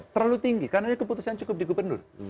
terlalu tinggi karena ini keputusan cukup di gubernur